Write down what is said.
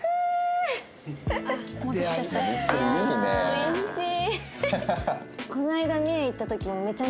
おいしい！